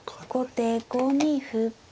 後手５二歩。